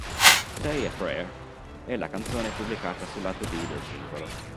Say a Prayer è la canzone pubblicata sul lato B del singolo.